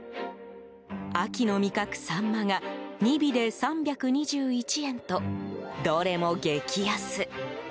秋の味覚サンマが２尾で３２１円と、どれも激安。